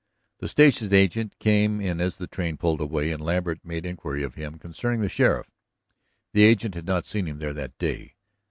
The station agent came in as the train pulled away, and Lambert made inquiry of him concerning the sheriff. The agent had not seen him there that day.